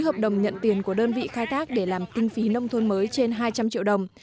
hợp đồng nhận tiền của đơn vị khai thác để làm kinh phí nông thôn mới trên hai trăm linh triệu đồng